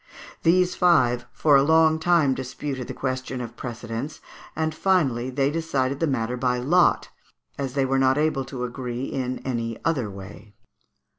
These five for a long time disputed the question of precedence, and finally they decided the matter by lot, as they were not able to agree in any other way.